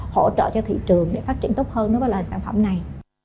hỗ trợ cho thị trường để phát triển tốt hơn đối với loại sản phẩm này